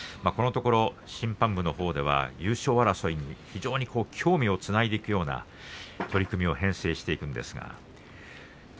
このところ審判部のほうでは優勝争いに興味をつないでいくような取組を編成しています。